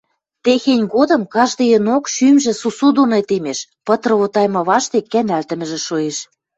Техень годым каждыйынок шӱмжӹ сусу доно темеш, пыт ровотайымы паштек кӓнӓлтӹмӹжӹ шоэш.